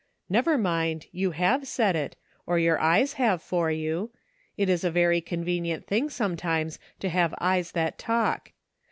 " Never mind, you have said it, or your eyes have for you; it is a very con venient thing sometimes to have eyes that talk.